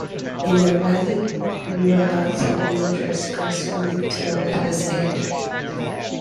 In the valley, river banks have been dressed gracefully to the water's edge.